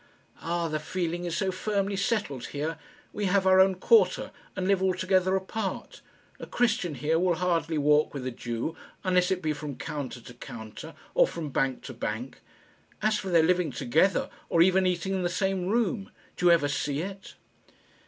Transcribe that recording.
"Ah, the feeling is so firmly settled here. We have our own quarter, and live altogether apart. A Christian here will hardly walk with a Jew, unless it be from counter to counter, or from bank to bank. As for their living together or even eating in the same room do you ever see it?"